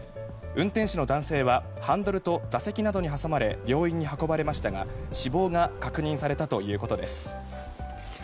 運転手の男性はハンドルと座席などに挟まれ病院に運ばれましたが、死亡が確認されたということです。